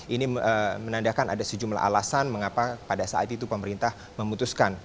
ini menandakan ada sejumlah alasan mengapa pada saat itu pemerintah memutuskan